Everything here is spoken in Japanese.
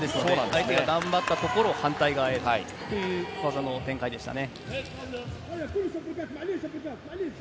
相手が頑張ったところを反対側へという技の展開でしたね。